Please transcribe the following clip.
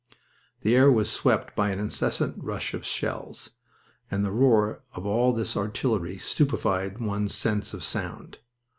The air was swept by an incessant rush of shells, and the roar of all this artillery stupefied one's sense of sound.